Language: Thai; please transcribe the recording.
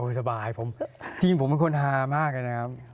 สบายผมจริงผมเป็นคนฮามากเลยนะครับ